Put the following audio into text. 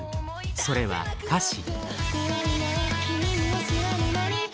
それは歌詞。